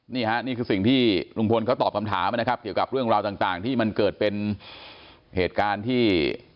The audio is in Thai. นี่คือสิ่งที่ลุงพลเขาตอบคำถามนะครับเกี่ยวกับเรื่องราวต่างที่มันเกิดเป็นเหตุการณ์ที่